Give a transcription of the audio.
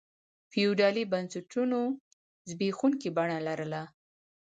فیوډالي بنسټونو زبېښونکي بڼه لرله.